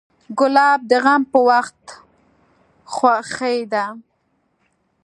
ګلاب د غم په وخت خوښي ده.